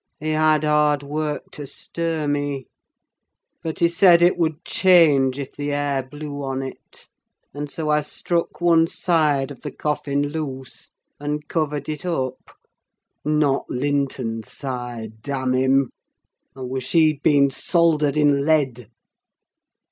—he had hard work to stir me; but he said it would change if the air blew on it, and so I struck one side of the coffin loose, and covered it up: not Linton's side, damn him! I wish he'd been soldered in lead.